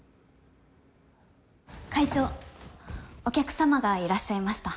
会長お客様がいらっしゃいました。